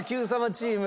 チーム。